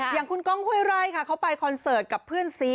อย่างคุณก้องห้วยไร่ค่ะเขาไปคอนเสิร์ตกับเพื่อนซี